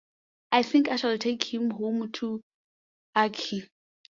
I think I shall take him home to Archie.